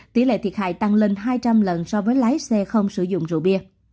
tỷ lệ thiệt hại tăng lên hai trăm linh lần so với lái xe không sử dụng rượu bia